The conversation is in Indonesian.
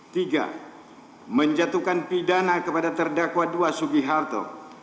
tiga menjatuhkan pidana kepada terdakwa dua sugiharto